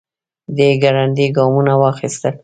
دی ګړندي ګامونه واخيستل.